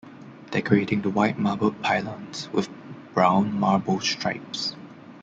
Decorating the white marbled pylons with brown marble stripes.